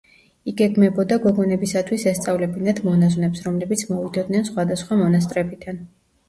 იგეგმებოდა გოგონებისათვის ესწავლებინათ მონაზვნებს, რომლებიც მოვიდოდნენ სხვადასხვა მონასტრებიდან.